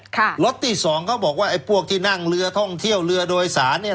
ล็อตที่สองเขาบอกว่าไอ้พวกที่นั่งเรือท่องเที่ยวเรือโดยสารเนี่ย